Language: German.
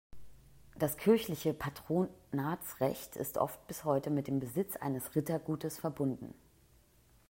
Das kirchliche Patronatsrecht ist oft bis heute mit dem Besitz eines Rittergutes verbunden.